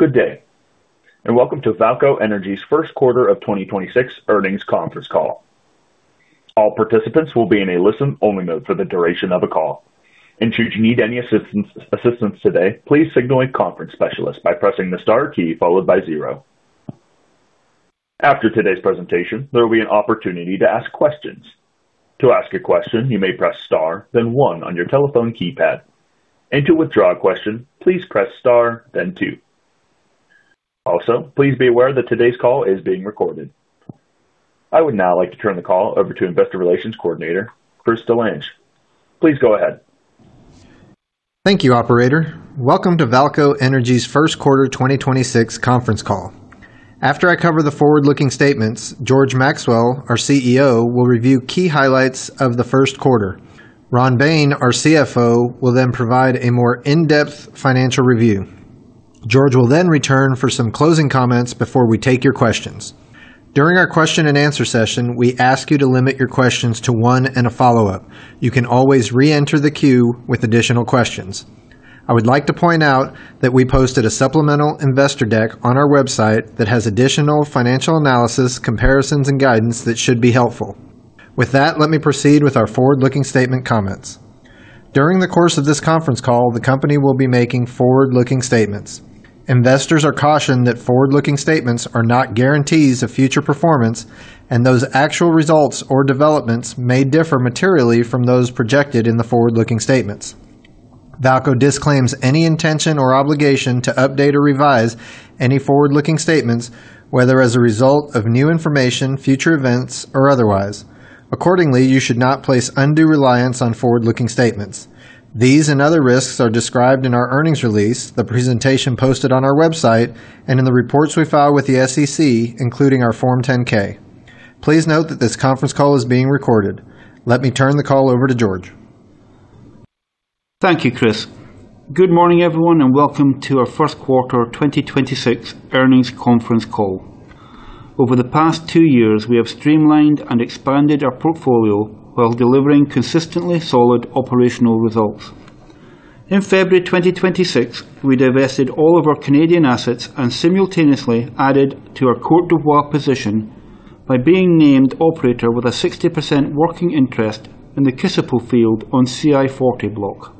Good day, welcome to VAALCO Energy's first quarter of 2026 earnings conference call. All participants will be in a listen-only mode for the duration of the call. Should you need any assistance today, please signal a conference specialist by pressing the star key followed by zero. After today's presentation, there will be an opportunity to ask questions. To ask a question, you may press star then one on your telephone keypad. To withdraw a question, please press star then two. Also, please be aware that today's call is being recorded. I would now like to turn the call over to Investor Relations Coordinator, Chris DeLange. Please go ahead. Thank you, operator. Welcome to VAALCO Energy's first quarter 2026 conference call. After I cover the forward-looking statements, George Maxwell, our CEO, will review key highlights of the first quarter. Ron Bain, our CFO, will then provide a more in-depth financial review. George will then return for some closing comments before we take your questions. During our question and answer session, we ask you to limit your questions to one and a follow-up. You can always re-enter the queue with additional questions. I would like to point out that we posted a supplemental investor deck on our website that has additional financial analysis, comparisons, and guidance that should be helpful. With that, let me proceed with our forward-looking statement comments. During the course of this conference call, the company will be making forward-looking statements. Investors are cautioned that forward-looking statements are not guarantees of future performance, and those actual results or developments may differ materially from those projected in the forward-looking statements. VAALCO disclaims any intention or obligation to update or revise any forward-looking statements, whether as a result of new information, future events, or otherwise. Accordingly, you should not place undue reliance on forward-looking statements. These and other risks are described in our earnings release, the presentation posted on our website, and in the reports we file with the SEC, including our Form 10-K. Please note that this conference call is being recorded. Let me turn the call over to George. Thank you, Chris. Good morning, everyone, and welcome to our first quarter 2026 earnings conference call. Over the past two years, we have streamlined and expanded our portfolio while delivering consistently solid operational results. In February 2026, we divested all of our Canadian assets and simultaneously added to our Côte d'Ivoire position by being named operator with a 60% working interest in the Kossipo field on CI-40 block.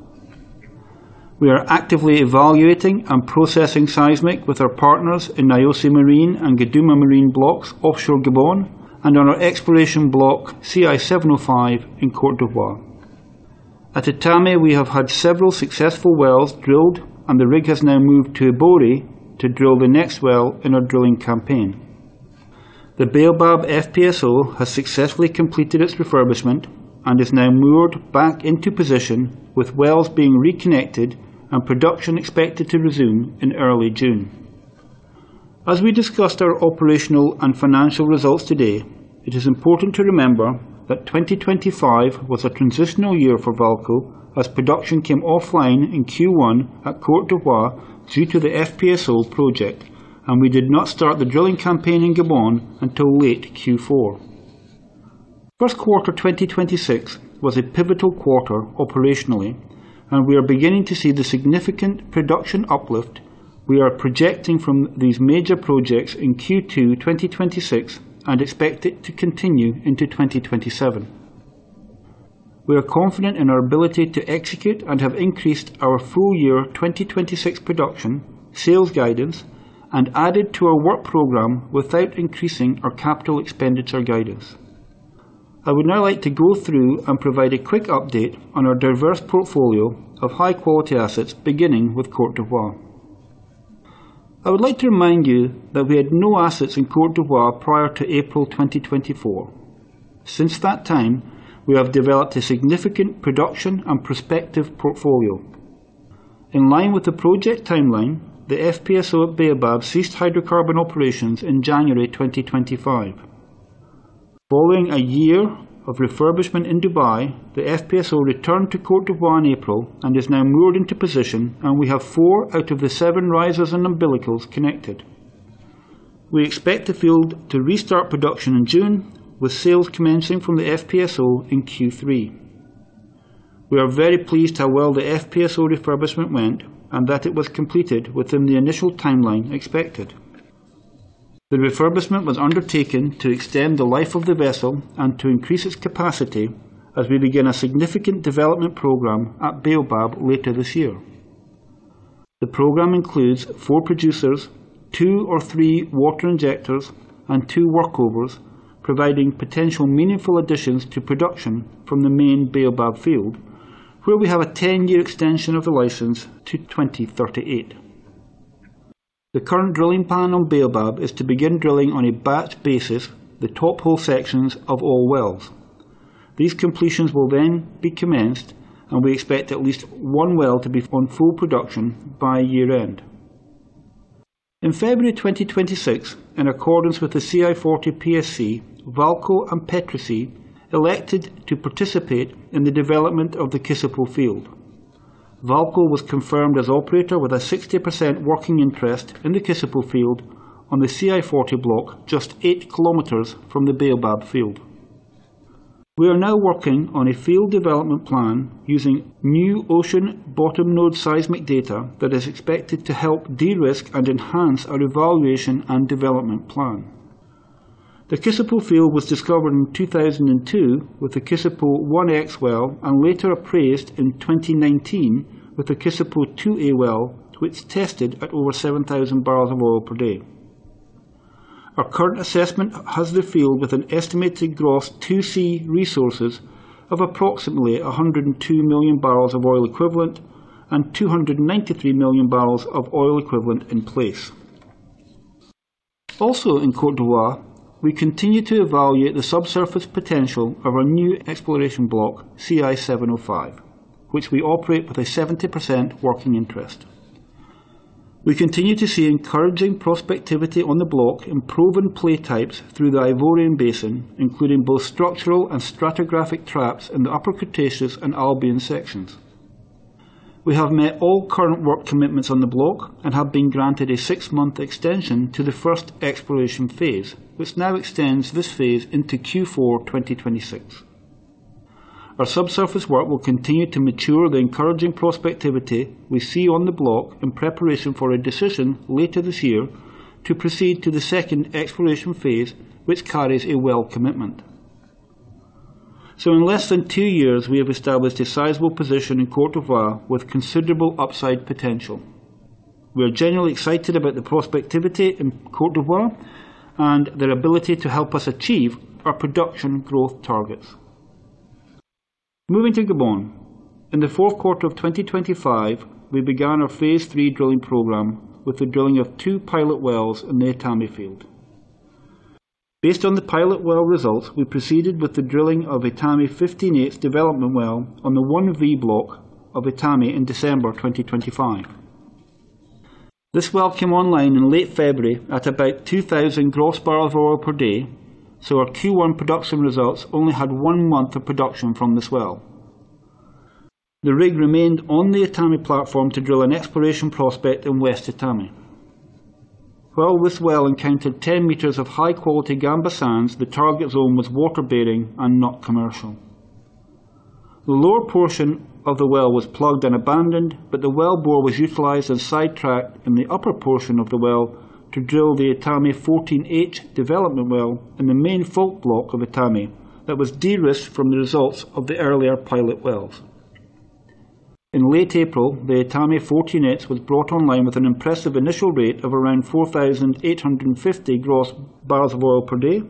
We are actively evaluating and processing seismic with our partners in Niosi Marin and Guduma Marin Blocks offshore Gabon and on our exploration block CI-705 in Côte d'Ivoire. At Etame, we have had several successful wells drilled, and the rig has now moved to Ebouri to drill the next well in our drilling campaign. The Baobab FPSO has successfully completed its refurbishment and is now moored back into position with wells being reconnected and production expected to resume in early June. We discuss our operational and financial results today, it is important to remember that 2025 was a transitional year for VAALCO as production came offline in Q1 at Côte d'Ivoire due to the FPSO project, and we did not start the drilling campaign in Gabon until late Q4. First quarter 2026 was a pivotal quarter operationally. We are beginning to see the significant production uplift we are projecting from these major projects in Q2 2026 and expect it to continue into 2027. We are confident in our ability to execute and have increased our full year 2026 production, sales guidance, and added to our work program without increasing our capital expenditure guidance. I would now like to go through and provide a quick update on our diverse portfolio of high-quality assets beginning with Côte d'Ivoire. I would like to remind you that we had no assets in Côte d'Ivoire prior to April 2024. Since that time, we have developed a significant production and prospective portfolio. In line with the project timeline, the FPSO at Baobab ceased hydrocarbon operations in January 2025. Following a year of refurbishment in Dubai, the FPSO returned to Côte d'Ivoire in April and is now moored into position, and we have four out of the seven risers and umbilicals connected. We expect the field to restart production in June, with sales commencing from the FPSO in Q3. We are very pleased how well the FPSO refurbishment went and that it was completed within the initial timeline expected. The refurbishment was undertaken to extend the life of the vessel and to increase its capacity as we begin a significant development program at Baobab later this year. The program includes four producers, two or three water injectors, and two workovers, providing potential meaningful additions to production from the main Baobab field, where we have a 10-year extension of the license to 2038. The current drilling plan on Baobab is to begin drilling on a batch basis the top hole sections of all wells. These completions will then be commenced, and we expect at least one well to be on full production by year-end. In February 2026, in accordance with the CI-40 PSC, VAALCO and Petroci elected to participate in the development of the Kossipo field. VAALCO was confirmed as operator with a 60% working interest in the Kossipo field on the CI-40 block, just 8 km from the Baobab field. We are now working on a field development plan using new ocean bottom node seismic data that is expected to help de-risk and enhance our evaluation and development plan. The Kossipo field was discovered in 2002 with the Kossipo-1X well and later appraised in 2019 with the Kossipo-2A well, which tested at over 7,000 barrels of oil per day. Our current assessment has the field with an estimated gross 2C resources of approximately 102 million barrels of oil equivalent and 293 million barrels of oil equivalent in place. In Côte d'Ivoire, we continue to evaluate the subsurface potential of our new exploration block, CI-705, which we operate with a 70% working interest. We continue to see encouraging prospectivity on the block in proven play types through the Ivorian Basin, including both structural and stratigraphic traps in the Upper Cretaceous and Albian sections. We have met all current work commitments on the block and have been granted a six month extension to the first exploration phase, which now extends this phase into Q4 2026. Our subsurface work will continue to mature the encouraging prospectivity we see on the block in preparation for a decision later this year to proceed to the two exploration phase, which carries a well commitment. In less than two years, we have established a sizable position in Côte d'Ivoire with considerable upside potential. We are generally excited about the prospectivity in Côte d'Ivoire and their ability to help us achieve our production growth targets. Moving to Gabon, in the fourth quarter of 2025, we began our phase three drilling program with the drilling of two pilot wells in the Etame field. Based on the pilot well results, we proceeded with the drilling of Etame 15H development well on the 1V Block of Etame in December 2025. This well came online in late February at about 2,000 gross barrels of oil per day, so our Q1 production results only had one month of production from this well. The rig remained on the Etame platform to drill an exploration prospect in West Etame. While this well encountered 10 meters of high-quality Gamba sands, the target zone was water-bearing and not commercial. The lower portion of the well was plugged and abandoned, but the wellbore was utilized as sidetracked in the upper portion of the well to drill the Etame 14H development well in the main fault block of Etame that was de-risked from the results of the earlier pilot wells. In late April, the Etame 14H was brought online with an impressive initial rate of around 4,850 gross barrels of oil per day.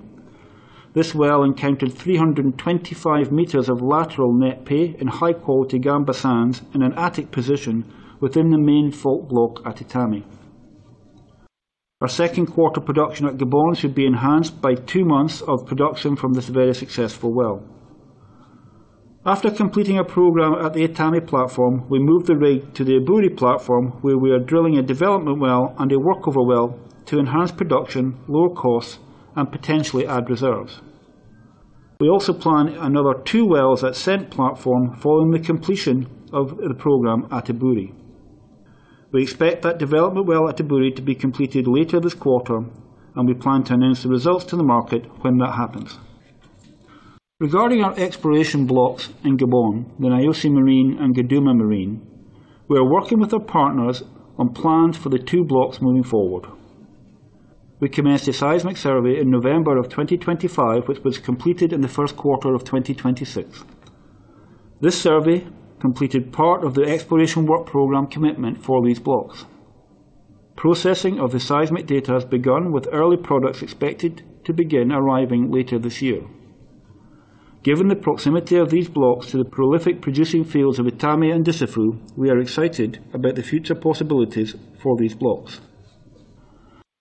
This well encountered 325 meters of lateral net pay in high-quality Gamba sands in an attic position within the main fault block at Etame. Our second quarter production at Gabon should be enhanced by two months of production from this very successful well. After completing a program at the Etame platform, we moved the rig to the Ebouri platform where we are drilling a development well and a workover well to enhance production, lower costs, and potentially add reserves. We also plan another two wells at SEENT platform following the completion of the program at Ebouri. We expect that development well at Ebouri to be completed later this quarter, and we plan to announce the results to the market when that happens. Regarding our exploration blocks in Gabon, the Niosi Marin and Guduma Marin, we are working with our partners on plans for the two blocks moving forward. We commenced a seismic survey in November of 2025, which was completed in the first quarter of 2026. This survey completed part of the exploration work program commitment for these blocks. Processing of the seismic data has begun with early products expected to begin arriving later this year. Given the proximity of these blocks to the prolific producing fields of Etame and Dussafu, we are excited about the future possibilities for these blocks.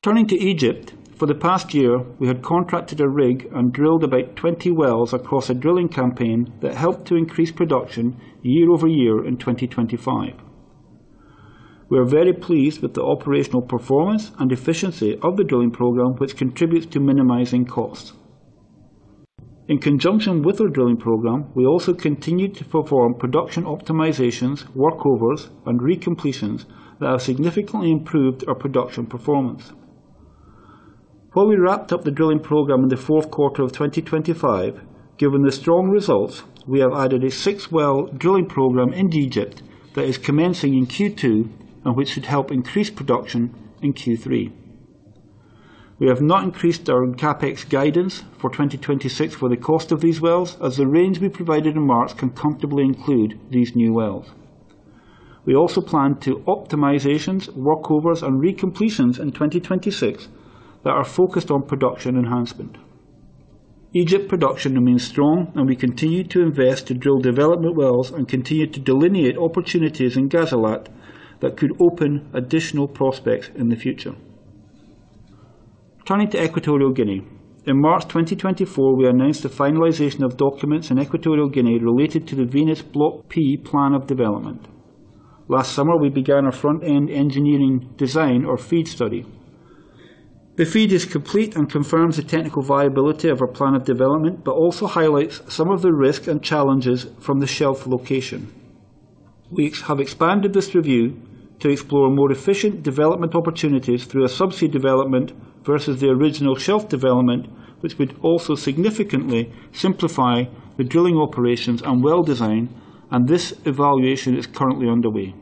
Turning to Egypt, for the past year, we had contracted a rig and drilled about 20 wells across a drilling campaign that helped to increase production year-over-year in 2025. We are very pleased with the operational performance and efficiency of the drilling program, which contributes to minimizing costs. In conjunction with our drilling program, we also continued to perform production optimizations, workovers, and recompletions that have significantly improved our production performance. While we wrapped up the drilling program in the fourth quarter of 2025, given the strong results, we have added a six well drilling program in Egypt that is commencing in Q2 and which should help increase production in Q3. We have not increased our CapEx guidance for 2026 for the cost of these wells as the range we provided in March can comfortably include these new wells. We also plan to optimizations, workovers, and recompletions in 2026 that are focused on production enhancement. Egypt production remains strong, and we continue to invest to drill development wells and continue to delineate opportunities in Ghazalat that could open additional prospects in the future. Turning to Equatorial Guinea, in March 2024, we announced the finalization of documents in Equatorial Guinea related to the Venus Block P plan of development. Last summer, we began our front-end engineering design, or FEED study. The FEED is complete and confirms the technical viability of our plan of development. Also highlights some of the risks and challenges from the shelf location. We have expanded this review to explore more efficient development opportunities through a subsea development versus the original shelf development, which would also significantly simplify the drilling operations and well design. This evaluation is currently underway.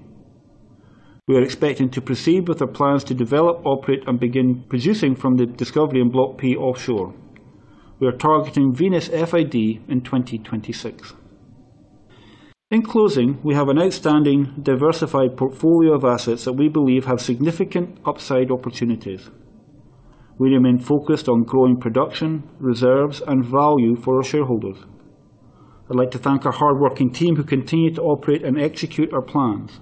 We are expecting to proceed with our plans to develop, operate, and begin producing from the discovery in Block P offshore. We are targeting Venus FID in 2026. In closing, we have an outstanding diversified portfolio of assets that we believe have significant upside opportunities. We remain focused on growing production, reserves, and value for our shareholders. I'd like to thank our hardworking team who continue to operate and execute our plans.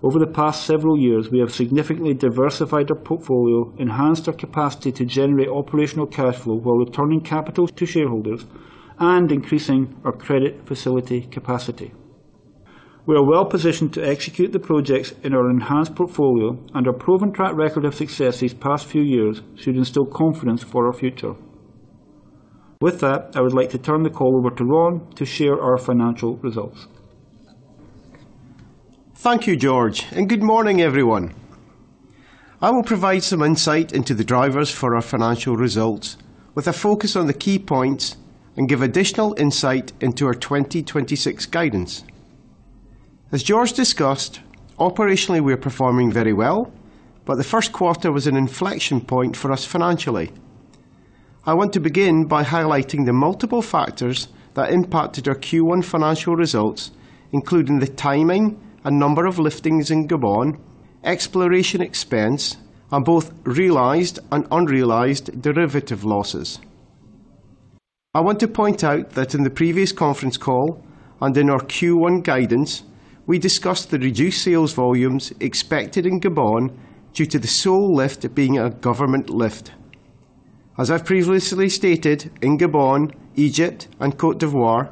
Over the past several years, we have significantly diversified our portfolio, enhanced our capacity to generate operational cash flow while returning capital to shareholders, and increasing our credit facility capacity. We are well-positioned to execute the projects in our enhanced portfolio, and our proven track record of success these past few years should instill confidence for our future. With that, I would like to turn the call over to Ron to share our financial results. Thank you, George. Good morning, everyone. I will provide some insight into the drivers for our financial results with a focus on the key points and give additional insight into our 2026 guidance. As George discussed, operationally, we are performing very well. The first quarter was an inflection point for us financially. I want to begin by highlighting the multiple factors that impacted our Q1 financial results, including the timing and number of liftings in Gabon, exploration expense, and both realized and unrealized derivative losses. I want to point out that in the previous conference call and in our Q1 guidance, we discussed the reduced sales volumes expected in Gabon due to the sole lift being a government lift. As I've previously stated, in Gabon, Egypt, and Côte d'Ivoire,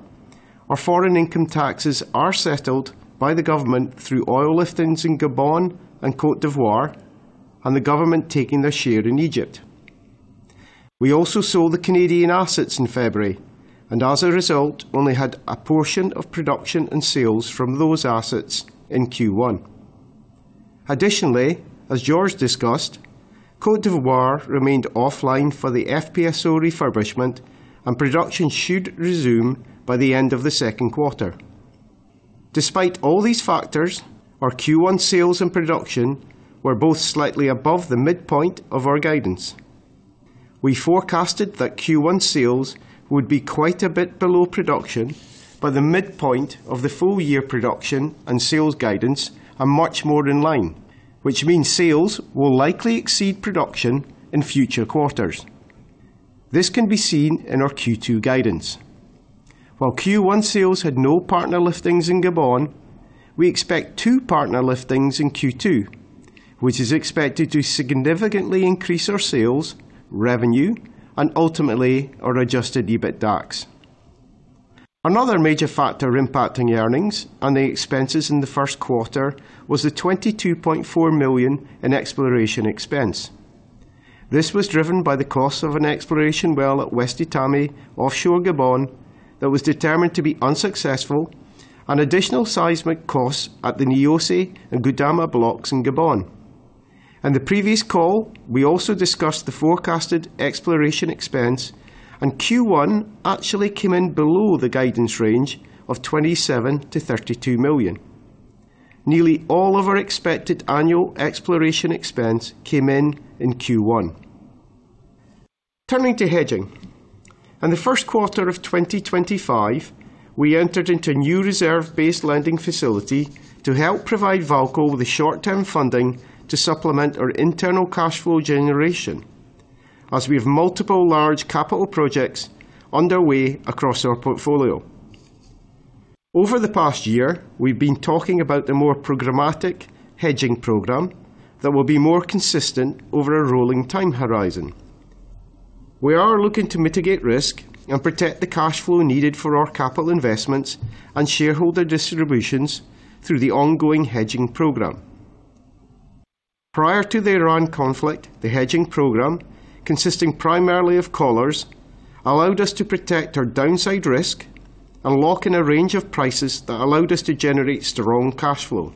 our foreign income taxes are settled by the government through oil liftings in Gabon and Côte d'Ivoire and the government taking their share in Egypt. We also sold the Canadian assets in February and as a result, only had a portion of production and sales from those assets in Q1. Additionally, as George discussed, Côte d'Ivoire remained offline for the FPSO refurbishment and production should resume by the end of the second quarter. Despite all these factors, our Q1 sales and production were both slightly above the midpoint of our guidance. We forecasted that Q1 sales would be quite a bit below production, but the midpoint of the full-year production and sales guidance are much more in line, which means sales will likely exceed production in future quarters. This can be seen in our Q2 guidance. While Q1 sales had no partner liftings in Gabon, we expect two partner liftings in Q2, which is expected to significantly increase our sales, revenue, and ultimately our Adjusted EBITDAX. Another major factor impacting earnings and the expenses in the first quarter was the $22.4 million in exploration expense. This was driven by the cost of an exploration well at West Etame offshore Gabon that was determined to be unsuccessful and additional seismic costs at the Niosi and Guduma blocks in Gabon. In the previous call, we also discussed the forecasted exploration expense, Q1 actually came in below the guidance range of $27 million-$32 million. Nearly all of our expected annual exploration expense came in in Q1. Turning to hedging. In the first quarter of 2025, we entered into a new reserve-based lending facility to help provide VAALCO with the short-term funding to supplement our internal cash flow generation as we have multiple large capital projects underway across our portfolio. Over the past year, we've been talking about a more programmatic hedging program that will be more consistent over a rolling time horizon. We are looking to mitigate risk and protect the cash flow needed for our capital investments and shareholder distributions through the ongoing hedging program. Prior to the Iran conflict, the hedging program, consisting primarily of collars, allowed us to protect our downside risk and lock in a range of prices that allowed us to generate strong cash flow.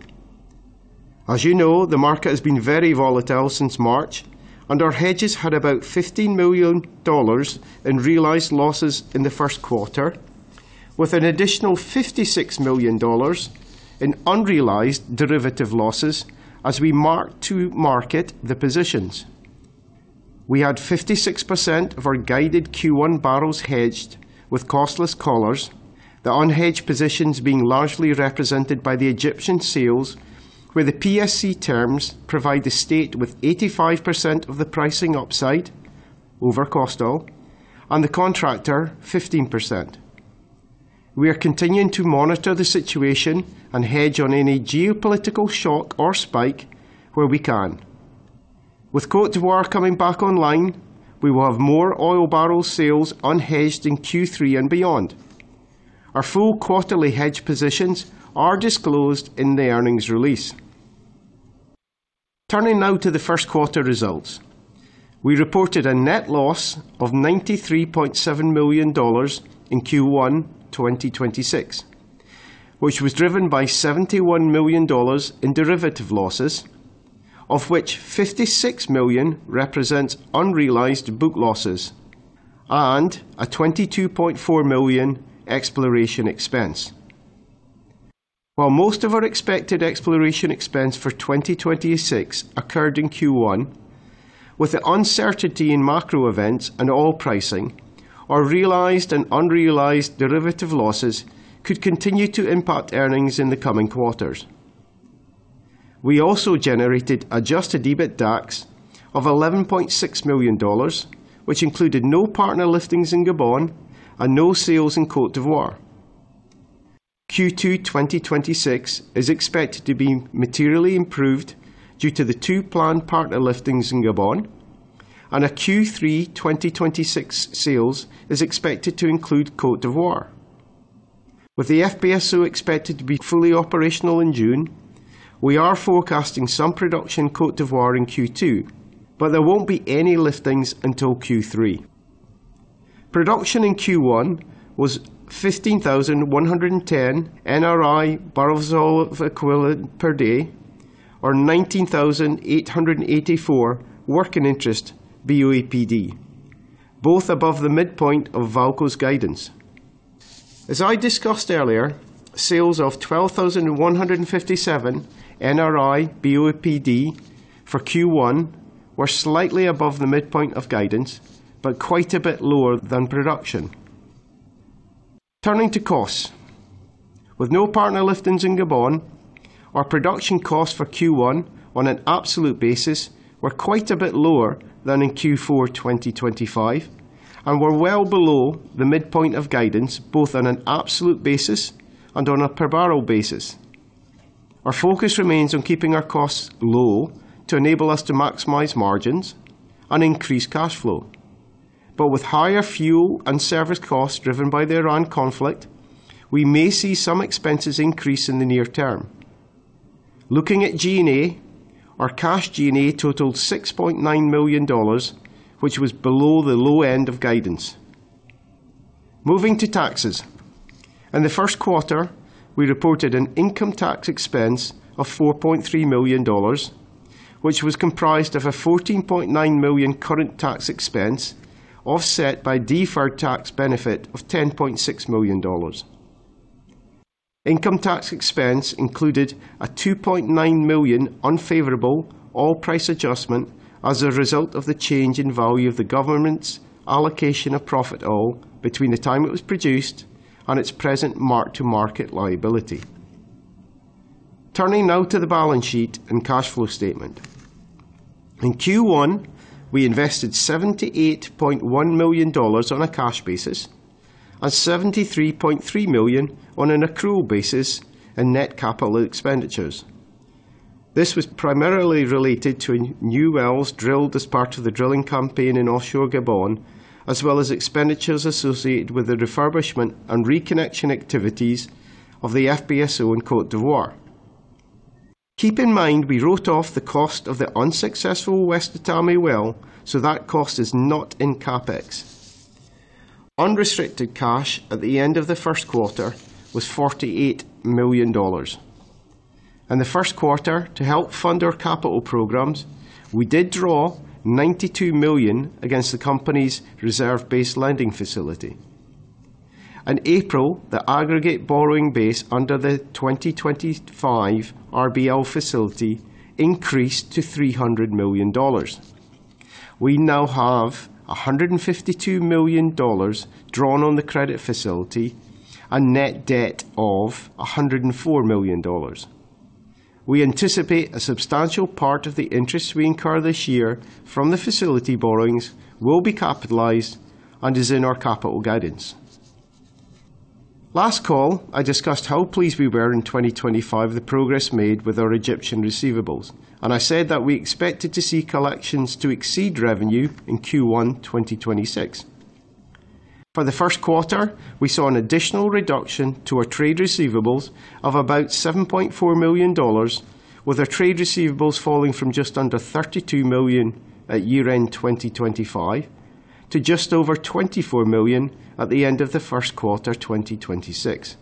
As you know, the market has been very volatile since March, and our hedges had about $15 million in realized losses in the first quarter, with an additional $56 million in unrealized derivative losses as we mark-to-market the positions. We had 56% of our guided Q1 barrels hedged with costless collars, the unhedged positions being largely represented by the Egyptian sales, where the PSC terms provide the state with 85% of the pricing upside over cost oil and the contractor 15%. We are continuing to monitor the situation and hedge on any geopolitical shock or spike where we can. With Côte d'Ivoire coming back online, we will have more oil barrel sales unhedged in Q3 and beyond. Our full quarterly hedge positions are disclosed in the earnings release. Turning now to the first quarter results. We reported a net loss of $93.7 million in Q1 2026, which was driven by $71 million in derivative losses, of which $56 million represents unrealized book losses and a $22.4 million exploration expense. While most of our expected exploration expense for 2026 occurred in Q1, with the uncertainty in macro events and oil pricing, our realized and unrealized derivative losses could continue to impact earnings in the coming quarters. We also generated Adjusted EBITDAX of $11.6 million, which included no partner liftings in Gabon and no sales in Côte d'Ivoire. Q2 2026 is expected to be materially improved due to the two planned partner liftings in Gabon and a Q3 2026 sales is expected to include Côte d'Ivoire. With the FPSO expected to be fully operational in June, we are forecasting some production in Côte d'Ivoire in Q2, but there won't be any liftings until Q3. Production in Q1 was 15,110 NRI barrels of equivalent per day or 19,884 working interest BOEPD, both above the midpoint of VAALCO's guidance. As I discussed earlier, sales of 12,157 NRI BOEPD for Q1 were slightly above the midpoint of guidance, but quite a bit lower than production. Turning to costs. With no partner liftings in Gabon, our production costs for Q1 on an absolute basis were quite a bit lower than in Q4 2025, and were well below the midpoint of guidance, both on an absolute basis and on a per barrel basis. Our focus remains on keeping our costs low to enable us to maximize margins and increase cash flow. With higher fuel and service costs driven by the Iran conflict, we may see some expenses increase in the near term. Looking at G&A, our cash G&A totaled $6.9 million, which was below the low end of guidance. Moving to taxes. In the first quarter, we reported an income tax expense of $4.3 million, which was comprised of a $14.9 million current tax expense, offset by deferred tax benefit of $10.6 million. Income tax expense included a $2.9 million unfavorable oil price adjustment as a result of the change in value of the government's allocation of profit oil between the time it was produced and its present mark-to-market liability. Turning now to the balance sheet and cash flow statement. In Q1, we invested $78.1 million on a cash basis and $73.3 million on an accrual basis in net capital expenditures. This was primarily related to new wells drilled as part of the drilling campaign in offshore Gabon, as well as expenditures associated with the refurbishment and reconnection activities of the FPSO in Côte d'Ivoire. Keep in mind, we wrote off the cost of the unsuccessful West Etame well, so that cost is not in CapEx. Unrestricted cash at the end of the first quarter was $48 million. In the first quarter, to help fund our capital programs, we did draw $92 million against the company's reserve-based lending facility. In April, the aggregate borrowing base under the 2025 RBL facility increased to $300 million. We now have $152 million drawn on the credit facility and net debt of $104 million. We anticipate a substantial part of the interest we incur this year from the facility borrowings will be capitalized and is in our capital guidance. Last call, I discussed how pleased we were in 2025 the progress made with our Egyptian receivables, and I said that we expected to see collections to exceed revenue in Q1 2026. For the first quarter, we saw an additional reduction to our trade receivables of about $7.4 million, with our trade receivables falling from just under $32 million at year-end 2025 to just over $24 million at the end of the first quarter, 2026.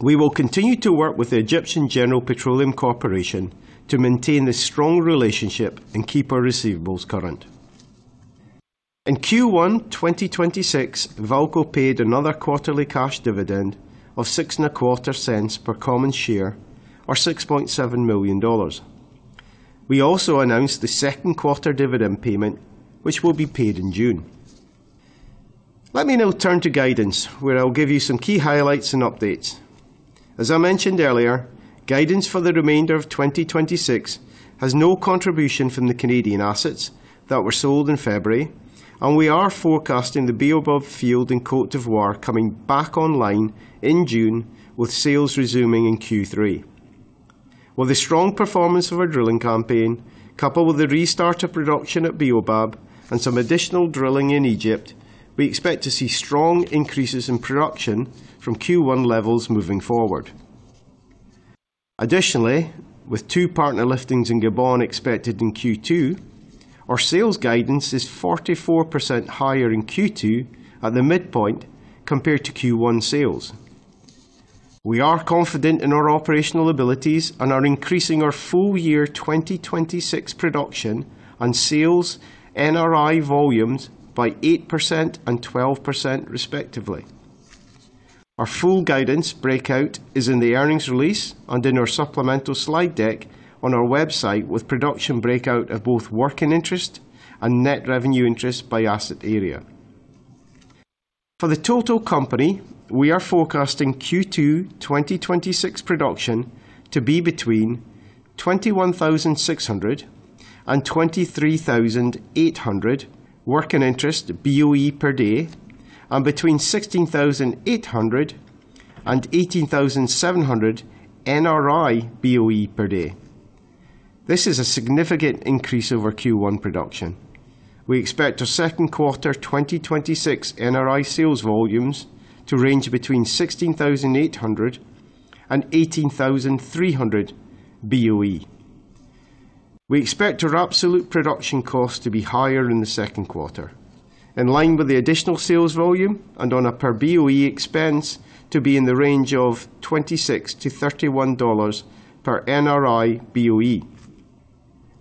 We will continue to work with the Egyptian General Petroleum Corporation to maintain this strong relationship and keep our receivables current. In Q1, 2026, VAALCO paid another quarterly cash dividend of $0.0625 per common share or $6.7 million. We also announced the second quarter dividend payment, which will be paid in June. Let me now turn to guidance, where I'll give you some key highlights and updates. As I mentioned earlier, guidance for the remainder of 2026 has no contribution from the Canadian assets that were sold in February, and we are forecasting the Baobab field in Côte d'Ivoire coming back online in June with sales resuming in Q3. With the strong performance of our drilling campaign, coupled with the restart of production at Baobab and some additional drilling in Egypt, we expect to see strong increases in production from Q1 levels moving forward. With two partner liftings in Gabon expected in Q2, our sales guidance is 44% higher in Q2 at the midpoint compared to Q1 sales. We are confident in our operational abilities and are increasing our full year 2026 production and sales NRI volumes by 8% and 12% respectively. Our full guidance breakout is in the earnings release and in our supplemental slide deck on our website with production breakout of both working interest and net revenue interest by asset area. For the total company, we are forecasting Q2 2026 production to be between 21,600 and 23,800 working interest BOEPD and between 16,800 and 18,700 NRI BOEPD. This is a significant increase over Q1 production. We expect our second quarter 2026 NRI sales volumes to range between 16,800 and 18,300 BOE. We expect our absolute production cost to be higher in the second quarter, in line with the additional sales volume and on a per BOE expense to be in the range of $26-$31 per NRI BOE.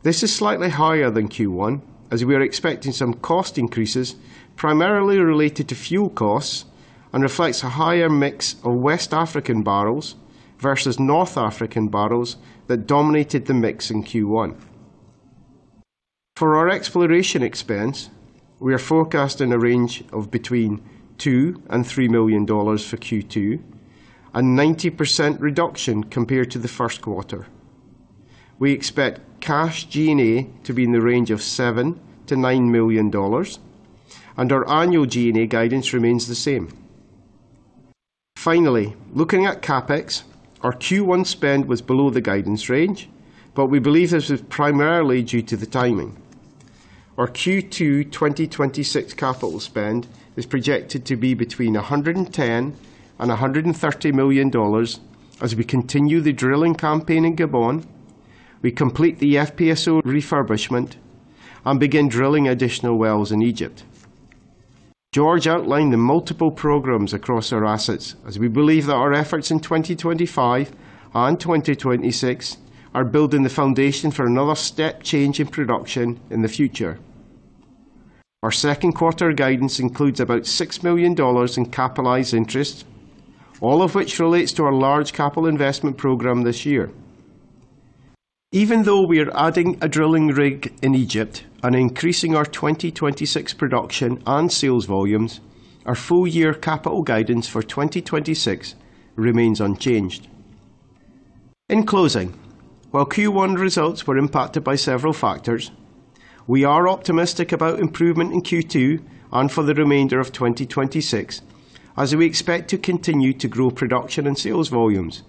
This is slightly higher than Q1, as we are expecting some cost increases primarily related to fuel costs and reflects a higher mix of West African barrels versus North African barrels that dominated the mix in Q1. For our exploration expense, we are forecasting a range of between $2 million and $3 million for Q2 and 90% reduction compared to the first quarter. We expect cash G&A to be in the range of $7 million to $9 million and our annual G&A guidance remains the same. Finally, looking at CapEx, our Q1 spend was below the guidance range, but we believe this is primarily due to the timing. Our Q2 2026 capital spend is projected to be between $110 million and $130 million as we continue the drilling campaign in Gabon, we complete the FPSO refurbishment and begin drilling additional wells in Egypt. George outlined the multiple programs across our assets as we believe that our efforts in 2025 and 2026 are building the foundation for another step change in production in the future. Our second quarter guidance includes about $6 million in capitalized interest, all of which relates to our large capital investment program this year. Even though we are adding a drilling rig in Egypt and increasing our 2026 production and sales volumes, our full year capital guidance for 2026 remains unchanged. In closing, while Q1 results were impacted by several factors, we are optimistic about improvement in Q2 and for the remainder of 2026 as we expect to continue to grow production and sales volumes.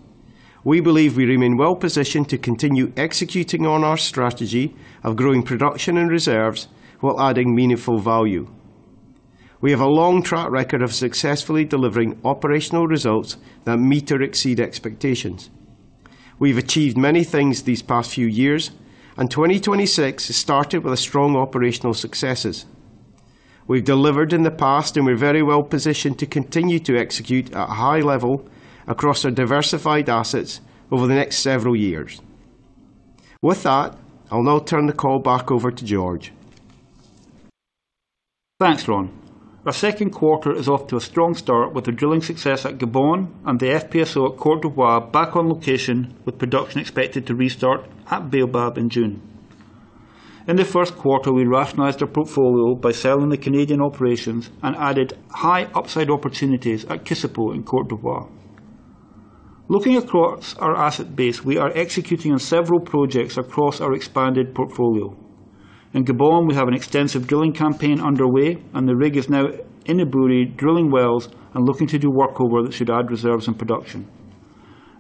We believe we remain well positioned to continue executing on our strategy of growing production and reserves while adding meaningful value. We have a long track record of successfully delivering operational results that meet or exceed expectations. We've achieved many things these past few years, and 2026 has started with strong operational successes. We've delivered in the past. We're very well positioned to continue to execute at a high level across our diversified assets over the next several years. With that, I'll now turn the call back over to George. Thanks, Ron. Our second quarter is off to a strong start with the drilling success at Gabon and the FPSO at Côte d'Ivoire back on location with production expected to restart at Baobab in June. In the first quarter, we rationalized our portfolio by selling the Canadian operations and added high upside opportunities at Kossipo in Côte d'Ivoire. Looking across our asset base, we are executing on several projects across our expanded portfolio. In Gabon, we have an extensive drilling campaign underway, and the rig is now in Ebouri drilling wells and looking to do workover that should add reserves and production.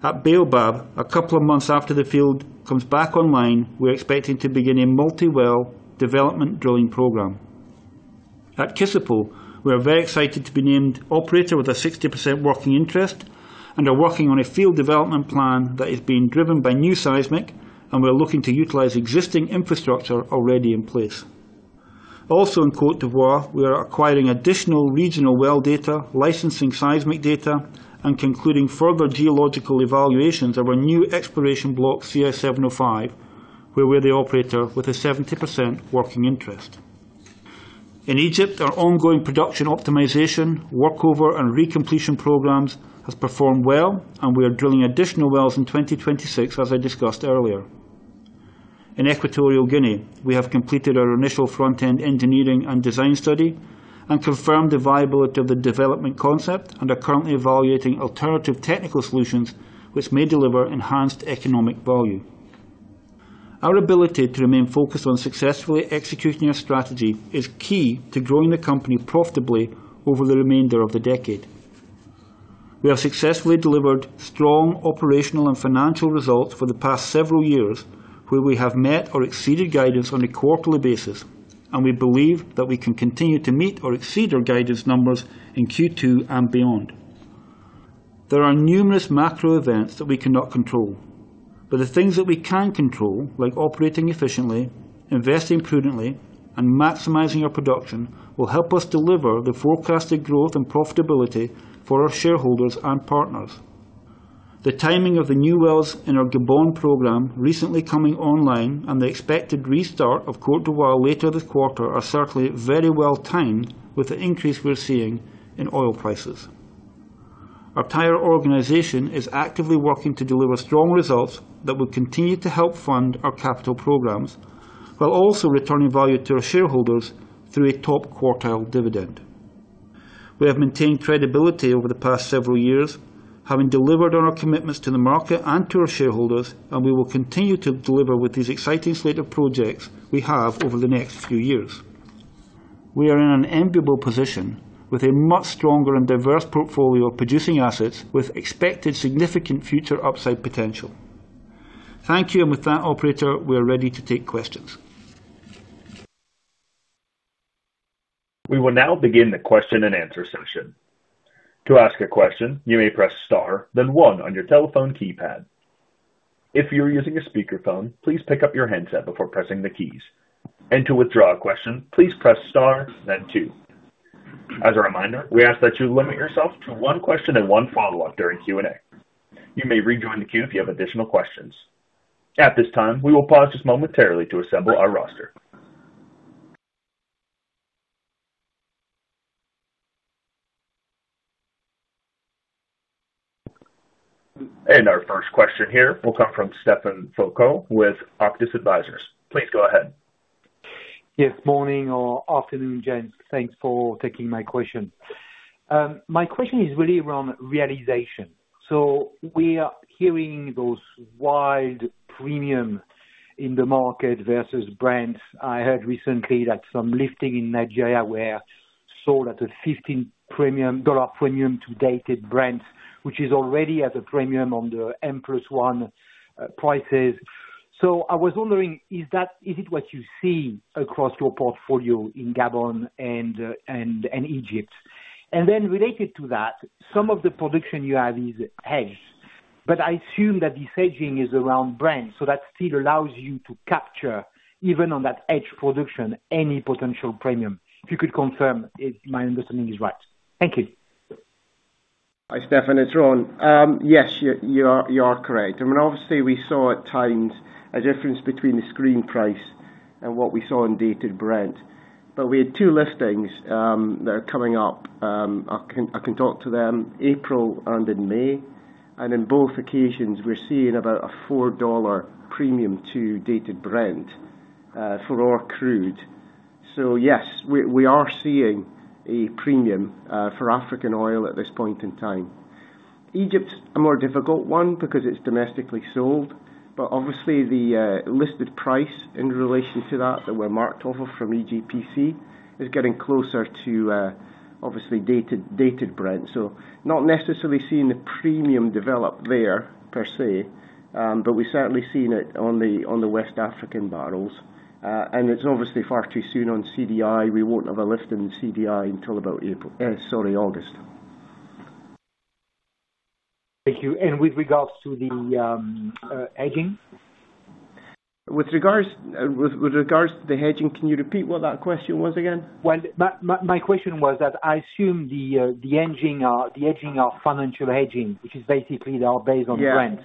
At Baobab, a couple of months after the field comes back online, we are expecting to begin a multi-well development drilling program. At Kossipo, we are very excited to be named operator with a 60% working interest and are working on a field development plan that is being driven by new seismic, and we are looking to utilize existing infrastructure already in place. Also in Côte d'Ivoire, we are acquiring additional regional well data, licensing seismic data, and concluding further geological evaluations of our new exploration block CI-705, where we're the operator with a 70% working interest. In Egypt, our ongoing production optimization, workover, and recompletion programs has performed well, and we are drilling additional wells in 2026, as I discussed earlier. In Equatorial Guinea, we have completed our initial front-end engineering and design study and confirmed the viability of the development concept and are currently evaluating alternative technical solutions which may deliver enhanced economic value. Our ability to remain focused on successfully executing our strategy is key to growing the company profitably over the remainder of the decade. We have successfully delivered strong operational and financial results for the past several years, where we have met or exceeded guidance on a quarterly basis. We believe that we can continue to meet or exceed our guidance numbers in Q2 and beyond. There are numerous macro events that we cannot control, but the things that we can control, like operating efficiently, investing prudently, and maximizing our production, will help us deliver the forecasted growth and profitability for our shareholders and partners. The timing of the new wells in our Gabon program recently coming online and the expected restart of Côte d'Ivoire later this quarter are certainly very well timed with the increase we're seeing in oil prices. Our entire organization is actively working to deliver strong results that will continue to help fund our capital programs, while also returning value to our shareholders through a top-quartile dividend. We have maintained credibility over the past several years, having delivered on our commitments to the market and to our shareholders. We will continue to deliver with these exciting slate of projects we have over the next few years. We are in an enviable position with a much stronger and diverse portfolio of producing assets with expected significant future upside potential. Thank you. With that operator, we are ready to take questions. Our first question here will come from Stephane Foucaud with Auctus Advisors. Please go ahead. Yes. Morning or afternoon, gents. Thanks for taking my question. My question is really around realization. We are hearing those wide premium in the market versus Brent. I heard recently that some lifting in Nigeria were sold at a 15 premium, dollar premium to Dated Brent, which is already at a premium on the M plus one prices. I was wondering, is it what you see across your portfolio in Gabon and Egypt? Related to that, some of the production you have is hedged, but I assume that this hedging is around Brent, so that still allows you to capture, even on that hedged production, any potential premium. If you could confirm if my understanding is right. Thank you. Hi, Stephane, it's Ron. Yes, you are correct. I mean, obviously we saw at times a difference between the screen price and what we saw in Dated Brent. We had two liftings that are coming up. I can talk to them, April and May. In both occasions we're seeing about a $4 premium to Dated Brent for our crude. Yes, we are seeing a premium for African oil at this point in time. Egypt's a more difficult one because it's domestically sold, but obviously the listed price in relation to that we're marked off of from EGPC is getting closer to obviously Dated Brent. Not necessarily seeing the premium develop there per se, but we've certainly seen it on the West African barrels. It's obviously far too soon on CI-40. We won't have a lift in CI-40 until about April, sorry, August. Thank you. With regards to the, hedging? With regards to the hedging, can you repeat what that question was again? Well, my question was that I assume the hedging are financial hedging, which is basically they are based on Brent.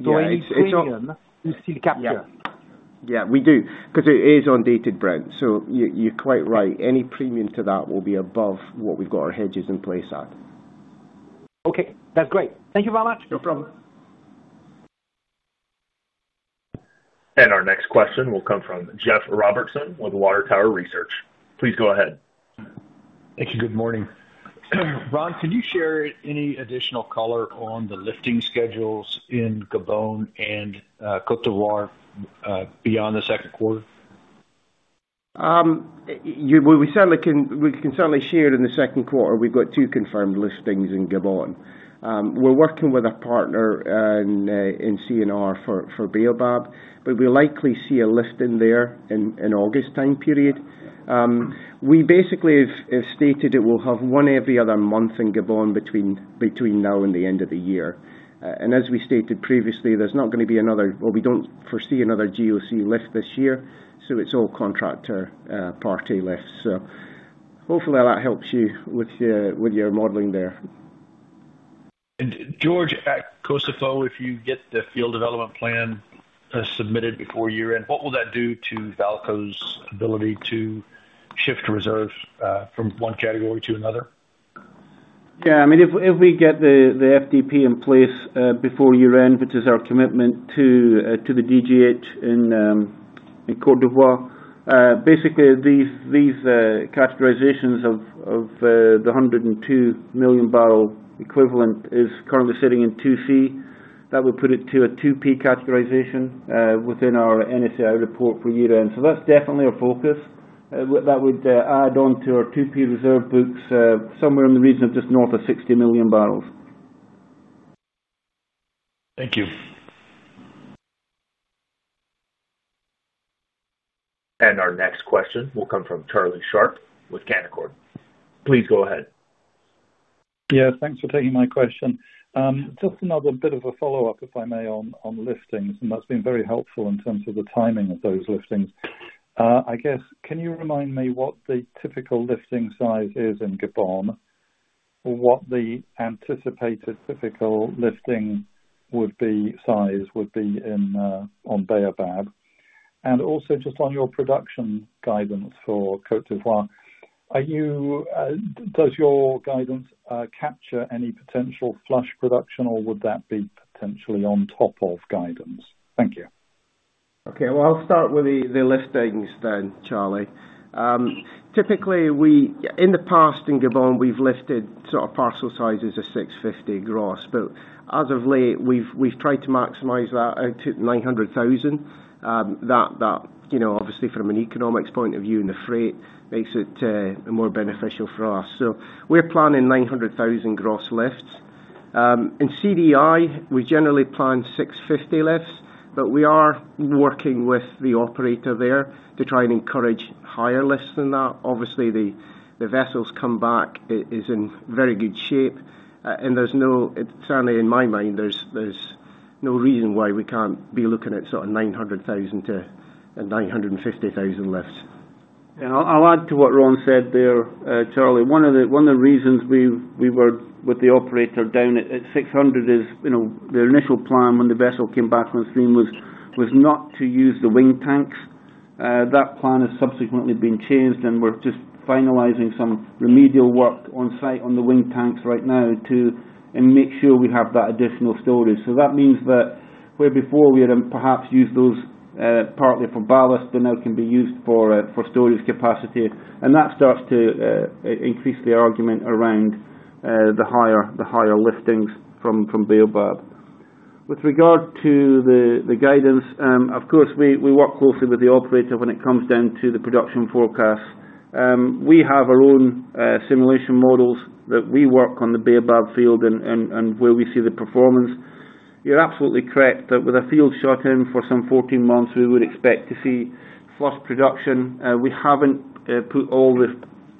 Yeah. Any premium you still capture. Yeah, we do because it is on Dated Brent. You're quite right. Any premium to that will be above what we've got our hedges in place at. Okay, that's great. Thank you very much. No problem. Our next question will come from Jeff Robertson with Water Tower Research. Please go ahead. Thank you. Good morning. Ron, can you share any additional color on the lifting schedules in Gabon and Côte d'Ivoire beyond the second quarter? We can certainly share in the second quarter we've got two confirmed liftings in Gabon. We're working with a partner in CNR for Baobab, but we'll likely see a listing there in August time period. We basically have stated that we'll have one every other month in Gabon between now and the end of the year. As we stated previously, there's not gonna be another or we don't foresee another GOC lift this year. It's all contractor party lifts. Hopefully that helps you with your modeling there. George, at Kossipo, if you get the field development plan submitted before year-end, what will that do to VAALCO's ability to shift reserves from one category to another? Yeah, I mean, if we get the FDP in place before year-end, which is our commitment to the DGH in Côte d'Ivoire, basically these categorizations of the 102 million barrel equivalent is currently sitting in 2C. That would put it to a 2P categorization within our NSAI report for year-end. That's definitely our focus. That would add on to our 2P reserve books somewhere in the region of just north of 60 million barrels. Thank you. Our next question will come from Charlie Sharp with Canaccord. Please go ahead. Yeah, thanks for taking my question. Just another bit of a follow-up, if I may, on liftings. That's been very helpful in terms of the timing of those liftings. I guess, can you remind me what the typical lifting size is in Gabon? Or what the anticipated typical lifting size would be on Baobab? Also just on your production guidance for Côte d'Ivoire, are you, does your guidance capture any potential flush production, or would that be potentially on top of guidance? Thank you. I'll start with the liftings then, Charlie. Typically we, in the past, in Gabon, we've lifted sort of parcel sizes of 650 gross. As of late, we've tried to maximize that out to 900,000. That, you know, obviously from an economics point of view and the freight makes it more beneficial for us. We're planning 900,000 gross lifts. In CDI, we generally plan 650 lifts, but we are working with the operator there to try and encourage higher lifts than that. Obviously, the vessels come back. It is in very good shape. There's no Certainly in my mind, there's no reason why we can't be looking at sort of 900,000 to 950,000 lifts. I'll add to what Ron said there. Charlie, one of the reasons we were with the operator down at 600 is, you know, their initial plan when the vessel came back on stream was not to use the wing tanks. That plan has subsequently been changed, and we're just finalizing some remedial work on site on the wing tanks right now to make sure we have that additional storage. That means that where before we had perhaps used those partly for ballast, they now can be used for storage capacity. That starts to increase the argument around the higher liftings from Baobab. With regard to the guidance, of course, we work closely with the operator when it comes down to the production forecast. We have our own simulation models that we work on the Baobab field and where we see the performance. You're absolutely correct that with a field shut-in for some 14 months, we would expect to see flush production. We haven't put all the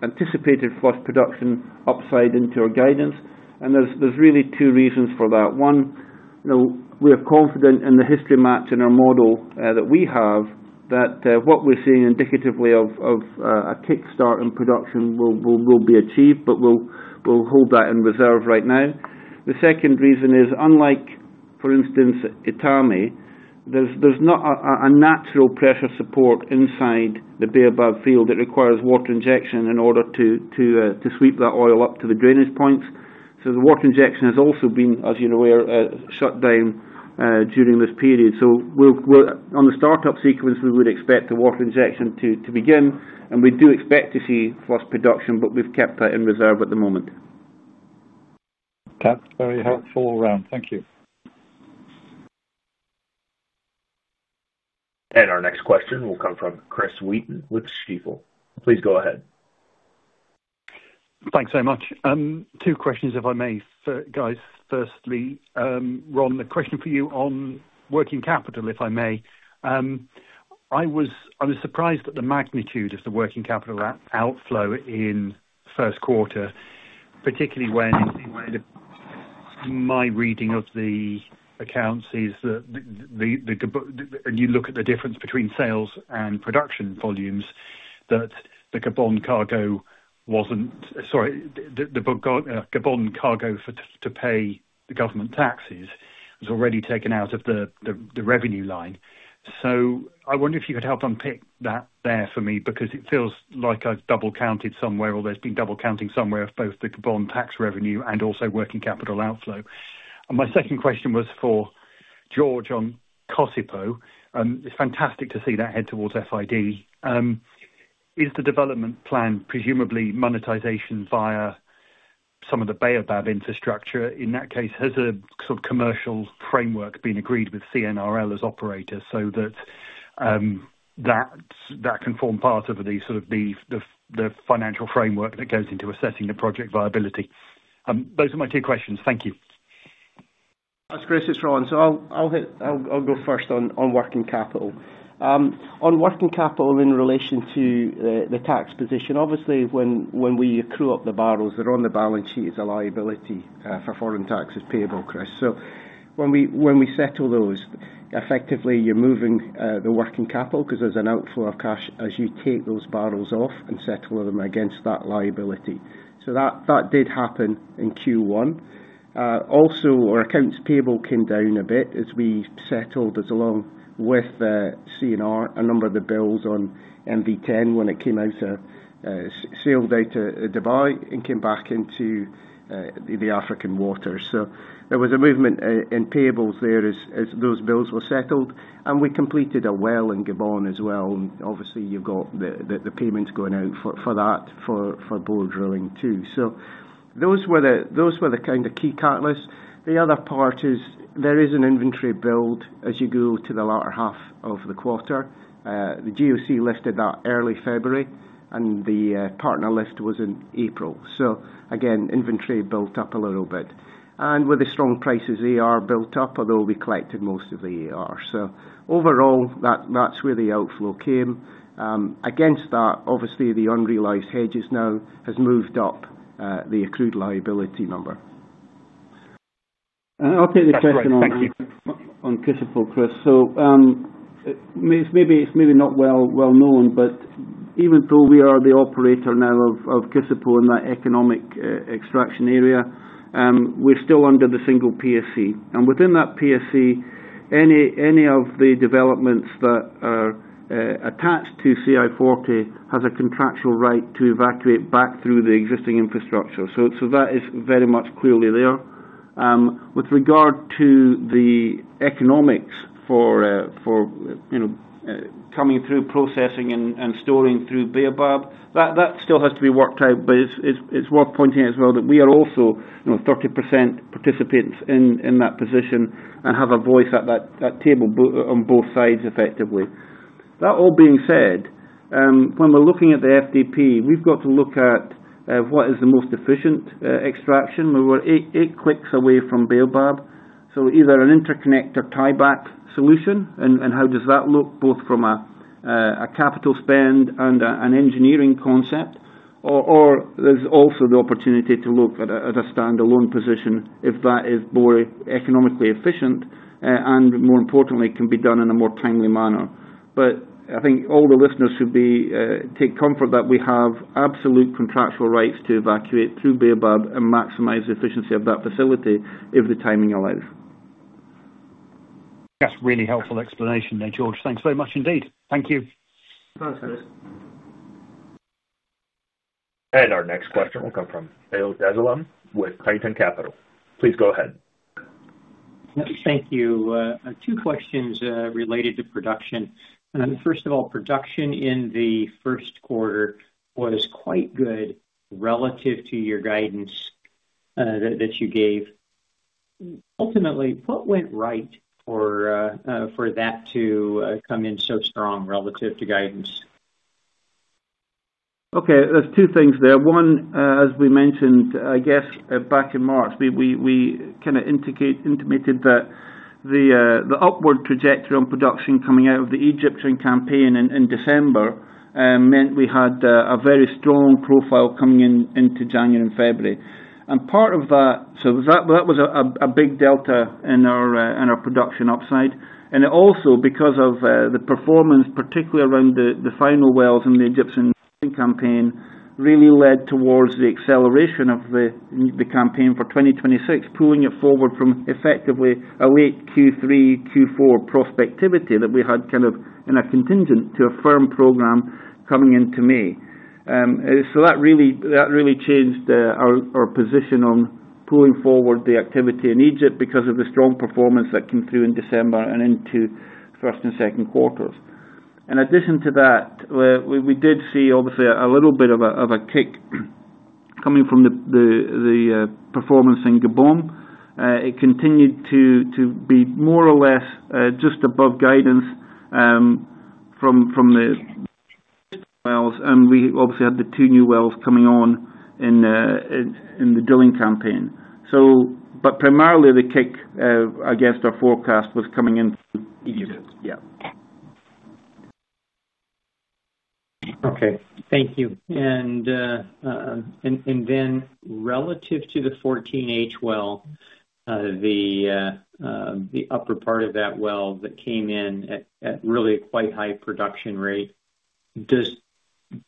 anticipated flush production upside into our guidance. There's really two reasons for that. One, you know, we are confident in the history match in our model that we have, that what we're seeing indicatively of a kickstart in production will be achieved. We'll hold that in reserve right now. The second reason is, unlike, for instance, Etame, there's not a natural pressure support inside the Baobab field that requires water injection in order to sweep that oil up to the drainage points. The water injection has also been, as you're aware, shut down during this period. On the startup sequence, we would expect the water injection to begin, and we do expect to see flush production, but we've kept that in reserve at the moment. Okay. Very helpful all around. Thank you. Our next question will come from Chris Wheaton with Stifel. Please go ahead. Thanks very much. Two questions if I may for, guys. Firstly, Ron, a question for you on working capital, if I may. I was surprised at the magnitude of the working capital outflow in first quarter, particularly when my reading of the accounts is that and you look at the difference between sales and production volumes, that the Gabon cargo wasn't Sorry, the Gabon cargo for, to pay the government taxes was already taken out of the revenue line. I wonder if you could help unpick that there for me, because it feels like I've double-counted somewhere, or there's been double counting somewhere of both the Gabon tax revenue and also working capital outflow. My second question was for George on Kossipo. It's fantastic to see that head towards FID. Is the development plan presumably monetization via some of the Baobab infrastructure? In that case, has a sort of commercial framework been agreed with CNRL as operator so that that can form part of the sort of the financial framework that goes into assessing the project viability? Those are my two questions. Thank you. Thanks, Chris. It's Ron. I'll go first on working capital. On working capital in relation to the tax position. Obviously, when we accrue up the barrels, they're on the balance sheet as a liability for foreign taxes payable, Chris. When we settle those, effectively you're moving the working capital 'cause there's an outflow of cash as you take those barrels off and settle them against that liability. That did happen in Q1. Also our accounts payable came down a bit as we settled, as along with CNR, a number of the bills on MV-10 when it came out of sailed out of Dubai and came back into the African water. There was a movement in payables there as those bills were settled. We completed a well in Gabon as well. Obviously, you've got the payments going out for that, for bore drilling too. Those were the kind of key catalysts. The other part is there is an inventory build as you go to the latter half of the quarter. The GOC lifted that early February and the partner lift was in April. Again, inventory built up a little bit. With the strong prices AR built up, although we collected most of the AR. Overall, that's where the outflow came. Against that, obviously the unrealized hedges now has moved up the accrued liability number. I'll take the question on Kossipo, Chris. Maybe it's maybe not well-known, but even though we are the operator now of Kossipo in that economic extraction area, we're still under the single PSC. Within that PSC, any of the developments that are attached to CI-40 has a contractual right to evacuate back through the existing infrastructure. That is very much clearly there. With regard to the economics for, you know, coming through processing and storing through Baobab, that still has to be worked out, but it's worth pointing out as well that we are also, you know, 30% participants in that position and have a voice at that table on both sides, effectively. That all being said, when we're looking at the FDP, we've got to look at what is the most efficient extraction. We were eight clicks away from Baobab, so either an interconnect or tieback solution. How does that look both from a capital spend and an engineering concept. There's also the opportunity to look at a standalone position if that is more economically efficient and more importantly, can be done in a more timely manner. I think all the listeners should take comfort that we have absolute contractual rights to evacuate through Baobab and maximize the efficiency of that facility if the timing allows. That's a really helpful explanation there, George. Thanks very much indeed. Thank you. Thanks, Chris. Our next question will come from Bill Dezellem with Tieton Capital. Please go ahead. Thank you. Two questions related to production. First of all, production in the first quarter was quite good relative to your guidance that you gave. Ultimately, what went right for that to come in so strong relative to guidance? Okay, there's two things there. One, as we mentioned, I guess back in March, we intimated that the upward trajectory on production coming out of the Egyptian campaign in December meant we had a very strong profile coming into January and February. That was a big delta in our production upside. It also, because of the performance, particularly around the final wells in the Egyptian campaign, really led towards the acceleration of the campaign for 2026, pulling it forward from effectively a late Q3, Q4 prospectivity that we had kind of in a contingent to a firm program coming into May. That really, that really changed our position on pulling forward the activity in Egypt because of the strong performance that came through in December and into first and second quarters. In addition to that, we did see obviously a little bit of a kick coming from the performance in Gabon. It continued to be more or less just above guidance from the wells. We obviously had the two new wells coming on in the drilling campaign. Primarily the kick against our forecast was coming in from Egypt. Yeah. Okay. Thank you. Then relative to the 14H well, the upper part of that well that came in at really a quite high production rate, does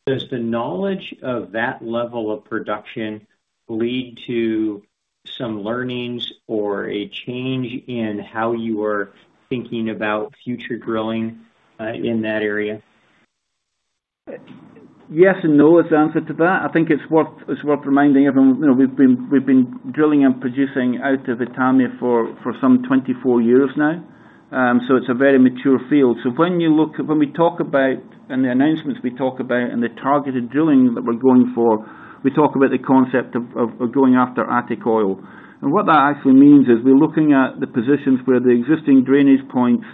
the knowledge of that level of production lead to some learnings or a change in how you are thinking about future drilling in that area? Yes and no is the answer to that. I think it's worth reminding everyone, you know, we've been drilling and producing out of Etame for some 24 years now. It's a very mature field. When we talk about, in the announcements we talk about and the targeted drilling that we're going for, we talk about the concept of going after attic oil. What that actually means is we're looking at the positions where the existing drainage points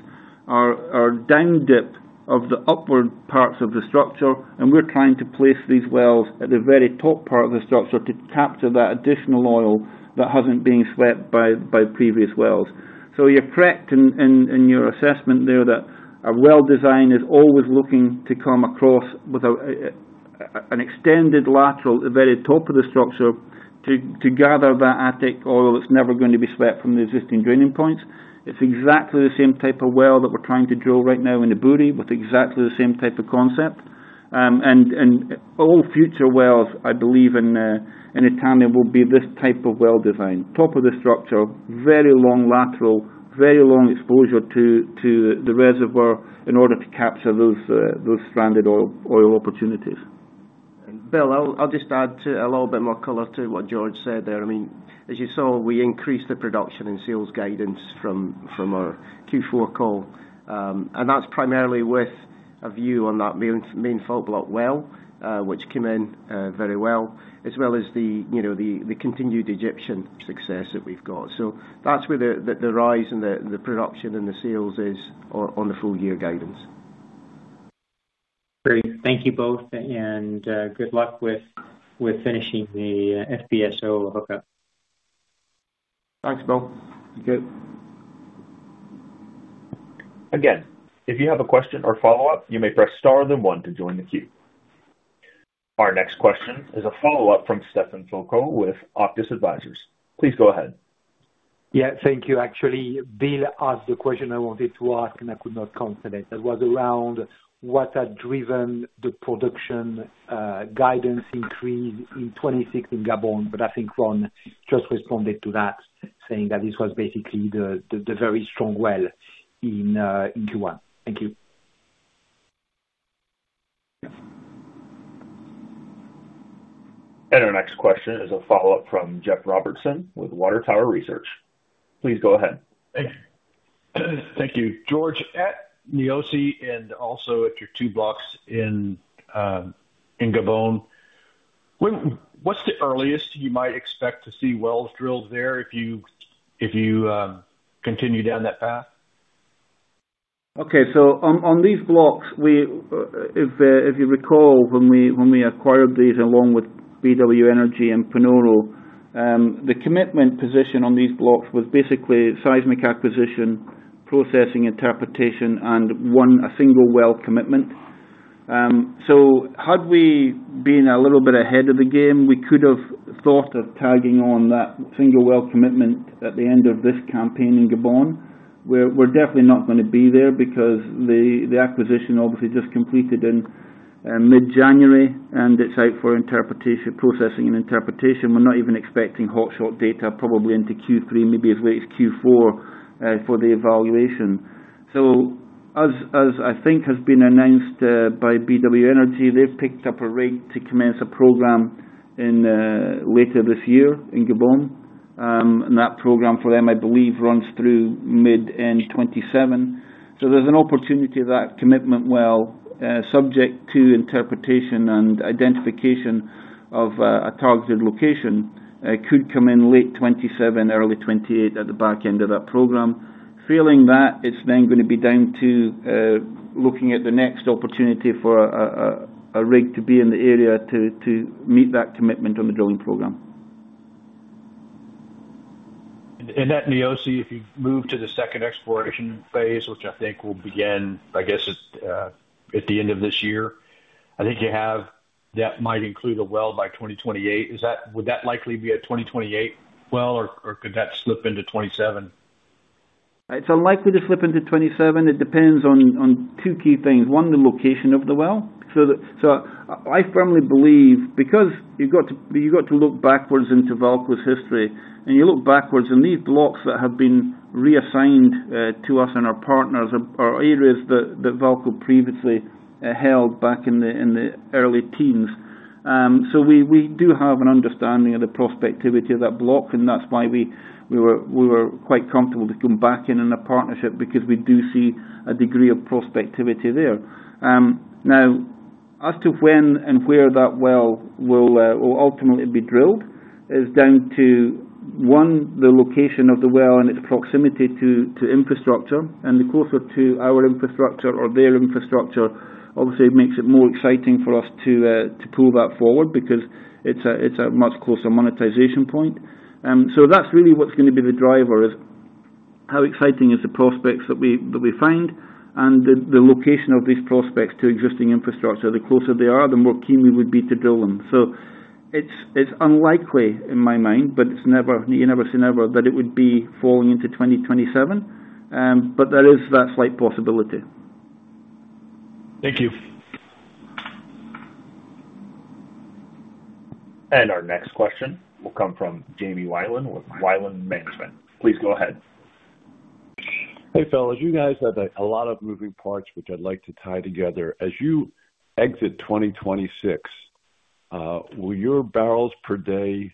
are downdip of the upward parts of the structure, and we're trying to place these wells at the very top part of the structure to capture that additional oil that hasn't been swept by previous wells. You're correct in your assessment there that a well design is always looking to come across with an extended lateral at the very top of the structure to gather that attic oil that's never going to be swept from the existing draining points. It's exactly the same type of well that we're trying to drill right now in Ebouri with exactly the same type of concept. All future wells, I believe in Etame will be this type of well design. Top of the structure, very long lateral, very long exposure to the reservoir in order to capture those stranded oil opportunities. Bill, I'll just add a little bit more color to what George said there. I mean, as you saw, we increased the production and sales guidance from our Q4 call. That's primarily with a view on that main fault block well, which came in very well, as well as the, you know, continued Egyptian success that we've got. That's where the rise in the production and sales is on the full year guidance. Great. Thank you both, and good luck with finishing the FPSO hookup. Thanks, Bill. Good. If you have a question or follow-up, you may press star then one to join the queue. Our next question is a follow-up from Stephane Foucaud with Auctus Advisors. Please go ahead. Yeah, thank you. Actually, Bill asked the question I wanted to ask, and I could not contemplate. That was around what had driven the production guidance increase in 2026 in Gabon. I think Ron just responded to that, saying that this was basically the very strong well in Q1. Thank you. Our next question is a follow-up from Jeff Robertson with Water Tower Research. Please go ahead. Thank you. Thank you. George, at Niosi and also at your two blocks in Gabon, what's the earliest you might expect to see wells drilled there if you continue down that path? Okay. On these blocks, if you recall, when we acquired these along with BW Energy and Panoro, the commitment position on these blocks was basically seismic acquisition, processing, interpretation, and one, a single well commitment. Had we been a little bit ahead of the game, we could have thought of tagging on that single well commitment at the end of this campaign in Gabon. We're definitely not gonna be there because the acquisition obviously just completed in mid-January, and it's out for interpretation, processing and interpretation. We're not even expecting hot shot data probably into Q3, maybe as late as Q4 for the evaluation. As I think has been announced by BW Energy, they've picked up a rate to commence a program in later this year in Gabon. That program for them, I believe, runs through mid end 27. There's an opportunity that commitment well, subject to interpretation and identification of a targeted location, could come in late 27, early 28 at the back end of that program. Failing that, it's then gonna be down to looking at the next opportunity for a rig to be in the area to meet that commitment on the drilling program. At Niosi, if you move to the second exploration phase, which I think will begin, I guess at the end of this year, I think you have that might include a well by 2028. Would that likely be a 2028 well or could that slip into 2027? It's unlikely to slip into 27. It depends on two key things. one, the location of the well. I firmly believe because you've got to look backwards into VAALCO's history, and you look backwards, and these blocks that have been reassigned to us and our partners are areas that VAALCO previously held back in the early teens. We do have an understanding of the prospectivity of that block, and that's why we were quite comfortable to come back in in a partnership because we do see a degree of prospectivity there. Now, as to when and where that well will ultimately be drilled is down to one, the location of the well and its proximity to infrastructure. The closer to our infrastructure or their infrastructure, obviously it makes it more exciting for us to pull that forward because it's a much closer monetization point. That's really what's gonna be the driver is how exciting is the prospects that we find and the location of these prospects to existing infrastructure. The closer they are, the more keen we would be to drill them. It's unlikely in my mind, but it's never, you never say never, that it would be falling into 2027. There is that slight possibility. Thank you. Our next question will come from Jamie Whalen with Whalen Management. Please go ahead. Hey, fellas. You guys have a lot of moving parts which I'd like to tie together. As you exit 2026, will your bpd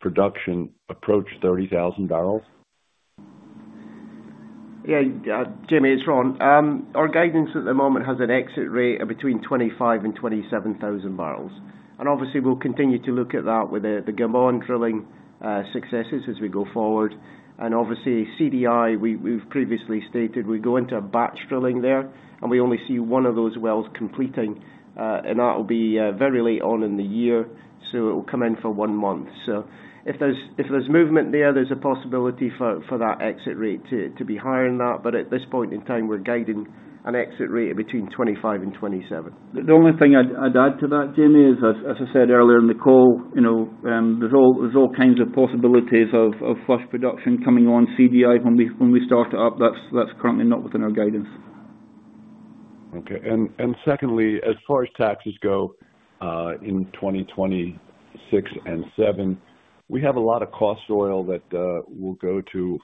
production approach 30,000 bbl? Jamie, it's Ron. Our guidance at the moment has an exit rate of between 25,000 and 27,000 barrels. Obviously we'll continue to look at that with the Gabon drilling successes as we go forward. Obviously CDI, we've previously stated we go into a batch drilling there, and we only see one of those wells completing. That will be very late on in the year, so it will come in for one month. If there's movement there's a possibility for that exit rate to be higher than that. At this point in time, we're guiding an exit rate of between 25 and 27. The only thing I'd add to that, Jamie, is as I said earlier in the call, you know, there's all kinds of possibilities of flush production coming on CDI when we start up. That's currently not within our guidance. Okay. Secondly, as far as taxes go, in 2026 and 2027, we have a lot of cost oil that will go to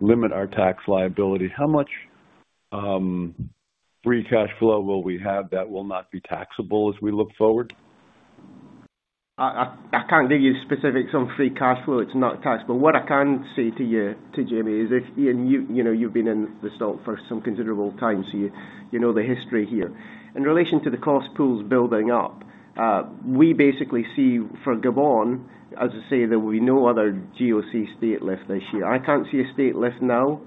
limit our tax liability. How much free cash flow will we have that will not be taxable as we look forward? I can't give you specifics on free cash flow. It's not taxable. What I can say to you, to Jamie, is if, and you know, you've been in this role for some considerable time, so you know the history here. In relation to the cost pools building up, we basically see for Gabon, as I say, there will be no other GOC state lift this year. I can't see a state lift now,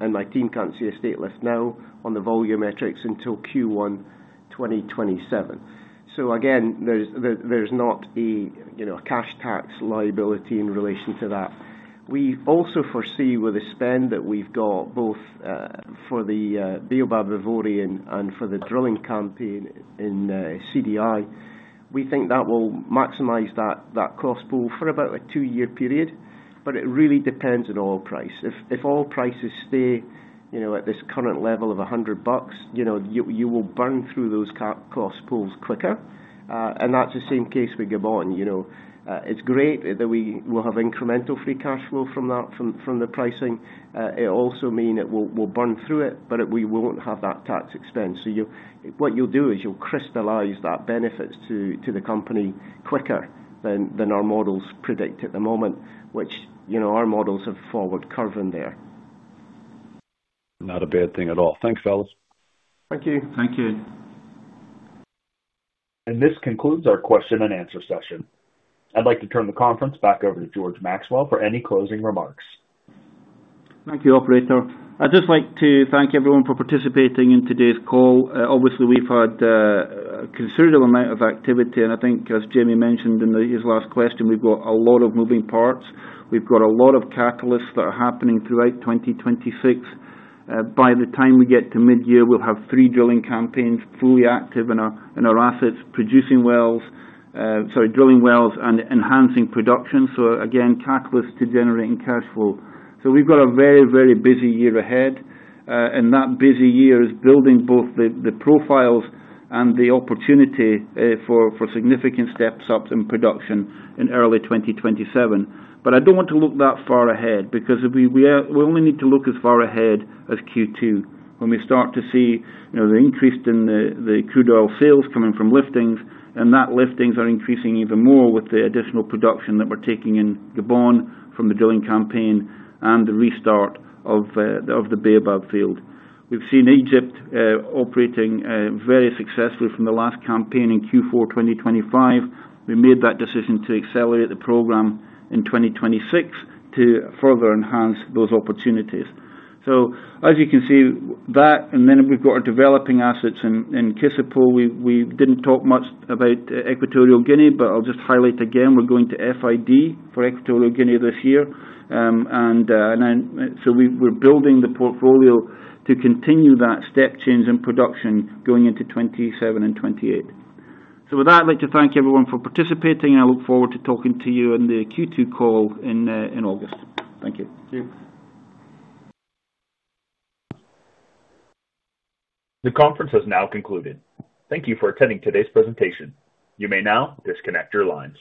and my team can't see a state lift now on the volume metrics until Q1. 2027. Again, there's not a, you know, cash tax liability in relation to that. We also foresee with the spend that we've got both for the Baobab Ivory and for the drilling campaign in CDI. We think that will maximize that cost pool for about a two year period. It really depends on oil price. If oil prices stay, you know, at this current level of $100, you know, you will burn through those cost pools quicker. That's the same case with Gabon. You know, it's great that we will have incremental free cash flow from that, from the pricing. It'll also mean it will burn through it. We won't have that tax expense. What you'll do is you'll crystallize that benefits to the company quicker than our models predict at the moment, which, you know, our models have forward curve in there. Not a bad thing at all. Thanks, fellas. Thank you. Thank you. This concludes our question and answer session. I'd like to turn the conference back over to George Maxwell for any closing remarks. Thank you, operator. I'd just like to thank everyone for participating in today's call. Obviously, we've had a considerable amount of activity, and I think as Jamie mentioned in his last question, we've got a lot of moving parts. We've got a lot of catalysts that are happening throughout 2026. By the time we get to midyear, we'll have three drilling campaigns fully active in our assets, producing wells. Sorry, drilling wells and enhancing production. Again, catalysts to generating cash flow. We've got a very, very busy year ahead, and that busy year is building both the profiles and the opportunity for significant steps ups in production in early 2027. I don't want to look that far ahead because we only need to look as far ahead as Q2 when we start to see, you know, the increase in the crude oil sales coming from liftings, and that liftings are increasing even more with the additional production that we're taking in Gabon from the drilling campaign and the restart of the Baobab field. We've seen Egypt operating very successfully from the last campaign in Q4 2025. We made that decision to accelerate the program in 2026 to further enhance those opportunities. As you can see, that, and then we've got our developing assets in Kossipo. We didn't talk much about Equatorial Guinea, but I'll just highlight again, we're going to FID for Equatorial Guinea this year. We're building the portfolio to continue that step change in production going into 2027 and 2028. With that, I'd like to thank everyone for participating. I look forward to talking to you in the Q2 call in August. Thank you. Thank you. The conference has now concluded. Thank you for attending today's presentation. You may now disconnect your lines.